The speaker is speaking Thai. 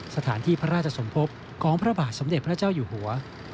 สถานที่พระราชสมภพของพระบาทสมเด็จพระเจ้าอยู่หัว